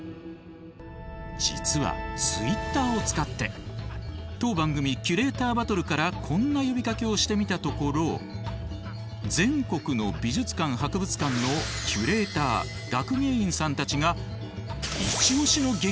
実はツイッターを使って当番組「キュレーターバトル！！」からこんな呼びかけをしてみたところ全国の美術館・博物館のキュレーター学芸員さんたちがイチオシの激